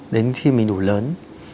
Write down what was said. đến khi mình đủ lớn